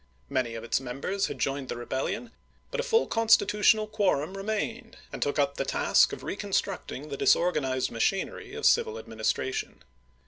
Many of its members had joined the rebellion, but a full constitutional quorum remained, and took up the task of reconstructing the disorganized machinery of civil administration.